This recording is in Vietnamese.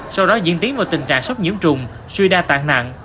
sau đó diễn tiến vào tình trạng sốc nhiễm trùng suy đa tạng nặng